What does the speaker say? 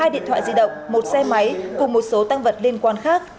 hai điện thoại di động một xe máy cùng một số tăng vật liên quan khác